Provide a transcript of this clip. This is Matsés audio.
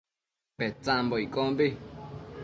Petsambo iccombi